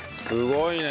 すごい。